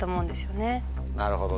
なるほどね。